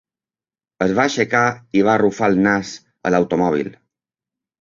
Es va aixecar i va arrufar el nas a l'automòbil.